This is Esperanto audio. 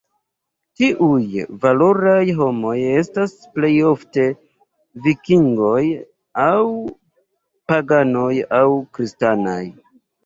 Tiuj "valoraj homoj" estis plejofte vikingoj, aŭ paganoj aŭ kristanaj.